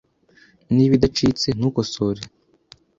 Niba idacitse, ntukosore .